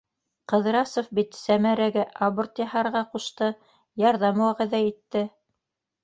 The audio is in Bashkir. Ҡыҙрасов бит Сәмәрәгә аборт яһарға ҡушты, ярҙам вәғәҙә итте.